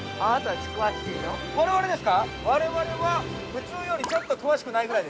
ちょうど普通の人よりちょっと詳しくないぐらい。